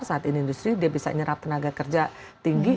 dia bisa menyumbangkan industri dia bisa menyerap tenaga kerja tinggi